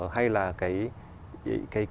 hay là cái